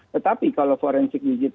tetapi kalau forensik digital